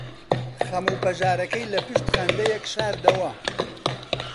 خەم و پەژارەکەی لەپشت خەندەیەک شاردەوە.